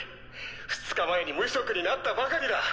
２日前に無職になったばかりだ。